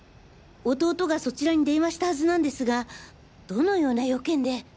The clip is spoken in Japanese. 弟がそちらに電話したはずなんですがどのような用件で？